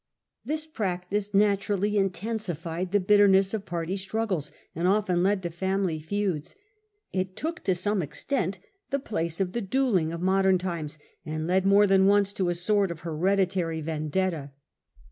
This practice naturally intensified the bitterness of party struggles, and often led to family feuds. It took to some extent the place of the duelling of modern times, and led more than once to a sort of hereditary ^vendetta.